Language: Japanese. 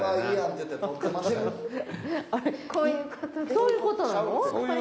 そういう事なの？